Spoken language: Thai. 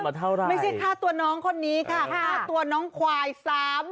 ไม่ใช่ข้าตัวน้องคนนี้ข้าตัวน้องขวาย๓ล้าน๕